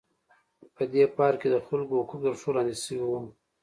په دې پارک کې د خلکو حقوق تر پښو لاندې شوي وو.